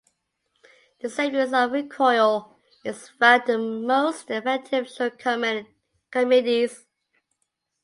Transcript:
The same use of recoil is found in most effective short comedies.